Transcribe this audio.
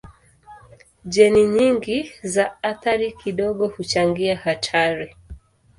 Jeni nyingi za athari kidogo huchangia hatari.